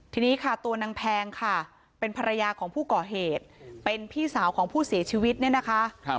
ทีนี้ค่ะตัวนางแพงค่ะเป็นภรรยาของผู้ก่อเหตุเป็นพี่สาวของผู้เสียชีวิตเนี่ยนะคะ